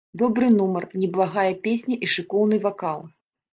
Добры нумар, неблагая песня і шыкоўны вакал.